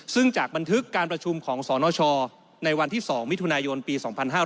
ซึ่งจากบันทึกการประชุมของสนชในวันที่๒มิถุนายนปี๒๕๕๙